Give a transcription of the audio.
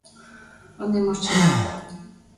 Onde imos chegar?